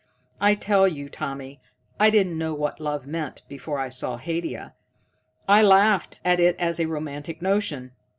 I tell you, Tommy, I didn't know what love meant before I saw Haidia. I laughed at it as a romantic notion.